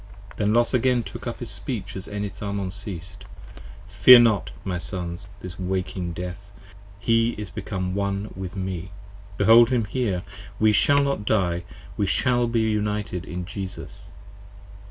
Then Los again took up his speech as Enitharmon ceas't. Fear not, my Sons, this Waking Death, he is become One with me. Behold him here! We shall not Die! we shall be united in Jesus.